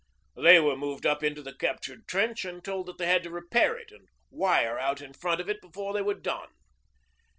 They were moved up into the captured trench, and told that they had to repair it and wire out in front of it before they were done.